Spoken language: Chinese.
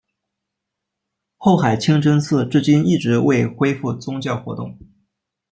后海清真寺至今一直未恢复宗教活动。